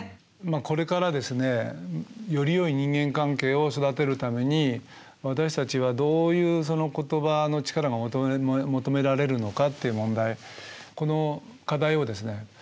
これからですねよりよい人間関係を育てるために私たちはどういう言葉の力が求められるのかっていう問題